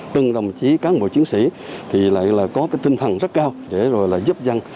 từng đồng chí cán bộ chiến sĩ thì lại là có cái tinh thần rất cao để rồi là giúp dân